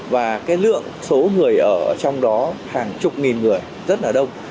và cái lượng số người ở trong đó hàng chục nghìn người rất là đông